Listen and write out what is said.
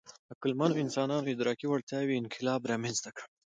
عقلمنو انسانانو د ادراکي وړتیاوو انقلاب رامنځ ته کړ.